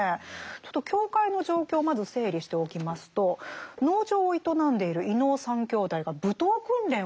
ちょっと教会の状況をまず整理しておきますと農場を営んでいる伊能三兄弟が武闘訓練を。